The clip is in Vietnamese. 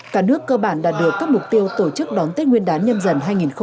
cả nước cơ bản đạt được các mục tiêu tổ chức đón tết nguyên đán nhâm dần hai nghìn hai mươi bốn